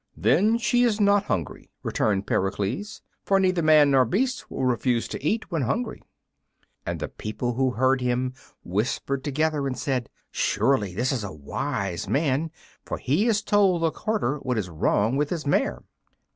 "Then she is not hungry," returned Pericles; "for neither man nor beast will refuse to eat when hungry." And the people who heard him whispered together and said, "Surely this is a wise man, for he has told the carter what is wrong with his mare."